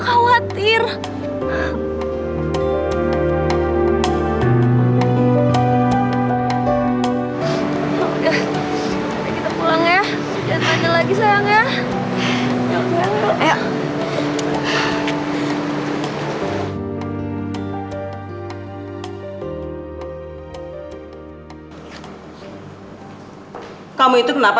salam pamput mama ya